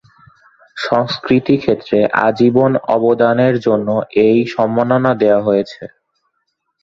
সংস্কৃতি ক্ষেত্রে আজীবন অবদানের জন্য এই সম্মাননা দেওয়া হচ্ছে।